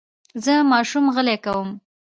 زه ماشوم غلی کوم.